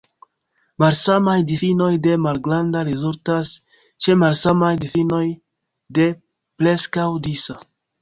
Malsamaj difinoj de "malgranda" rezultas ĉe malsamaj difinoj de "preskaŭ disa".